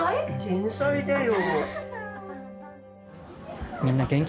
天才だよ。